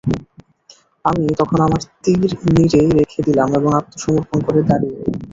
আমি তখন আমার তীর নীরে রেখে দিলাম এবং আত্মসমর্পণ করে দাঁড়িয়ে রইলাম।